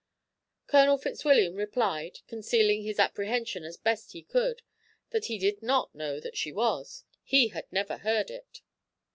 Colonel Fitzwilliam replied, concealing his apprehension as best he could, that he did not know that she was; he had never heard it.